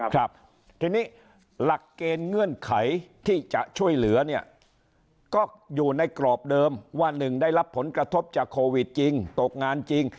ครับทีนี้หลักเกณฑ์เงื่อนไขที่จะช่วยเหลือเนี่ยก็อยู่ในกรอบเดิมว่าหนึ่งได้รับผลกระทบจากโควิดจริงตกงานจริง